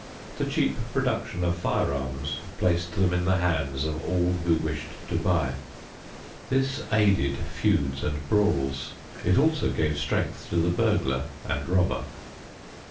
The cheap production of firearms placed them in the hands of all who wished to buy. This aided feuds and brawls. It also gave strength to the burglar and robber.